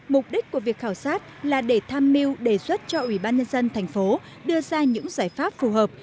mục đích của việc khảo sát là để tham mưu đề xuất cho ubnd tp hcm đưa ra những giải pháp phù hợp